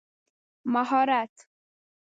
مهارت